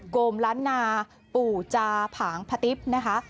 โกมล้านนาปู่จาผางพะติ๊บนะคะ